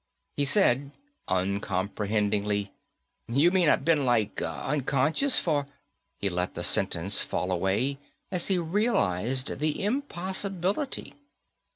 He said, uncomprehendingly, "You mean I been, like, unconscious for " He let the sentence fall away as he realized the impossibility.